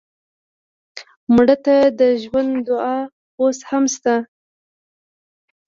مړه ته د ژوند دعا اوس هم شته